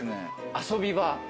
「遊び場」